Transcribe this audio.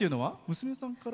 娘さんから？